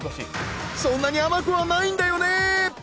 そんなに甘くはないんだよね